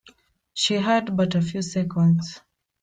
She had but a few seconds.